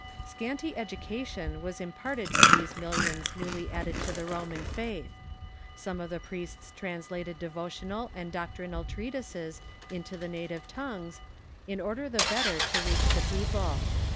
Scanty education was imparted to these millions newly add ed to the Roman faith. Some of the priests translated devo tional and doctrinal treatises into the native tongues, ^^^r}"^^""^ in order the better to reach the people.